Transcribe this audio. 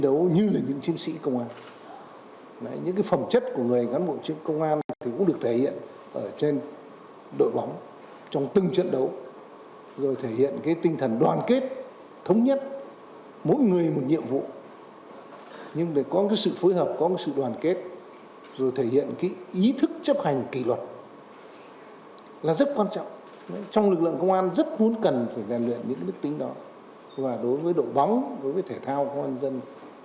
phát biểu tại buổi lễ phát biểu tại buổi lễ phát biểu tại buổi lễ phát biểu tại buổi lễ phát biểu tại buổi lễ phát biểu tại buổi lễ phát biểu tại buổi lễ phát biểu tại buổi lễ phát biểu tại buổi lễ phát biểu tại buổi lễ phát biểu tại buổi lễ phát biểu tại buổi lễ phát biểu tại buổi lễ phát biểu tại buổi lễ phát biểu tại buổi lễ phát biểu tại buổi lễ phát biểu tại buổi lễ phát biểu tại buổi lễ phát biểu tại buổi lễ phát biểu tại buổi lễ phát biểu tại buổi lễ phát biểu tại buổi lễ ph